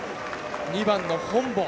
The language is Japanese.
２番の本坊